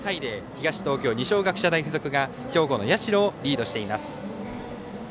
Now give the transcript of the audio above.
東東京の二松学舎大付属が兵庫の社をリードしています。